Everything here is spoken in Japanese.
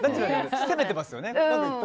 攻めてますよね。